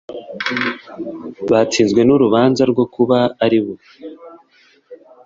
batsinzwe n'urubanza rwo kuba ari bo